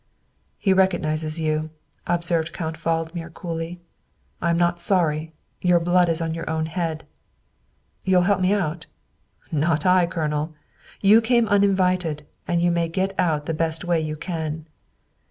" He recognizes you," observed Count Valdmir coolly. " I am not sorry. Your blood is on your own head." "You'll help me out?" " Not I, Colonel. You came uninvited, and you may get out the best way you can.